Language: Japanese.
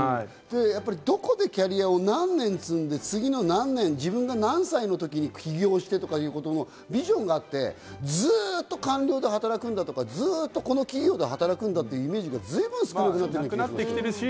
どこでキャリアを何年積んで次の何年、何歳のときに起業してということのビジョンがあって、ずっと官僚で働くんだとか、ずっとこの企業で働くんだとか随分少なくなってきてますよね。